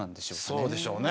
そうでしょうね。